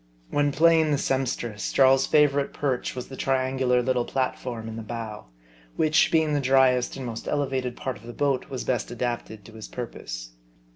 When playing the sempstress, Jarl's favorite perch was M A R D I. 63 the triangular little platform ;n the bow ; which being the driest and most elevated part of the boat, was best adapted to his purpose.